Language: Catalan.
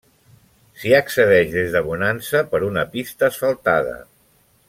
S'hi accedeix des de Bonansa, per una pista asfaltada.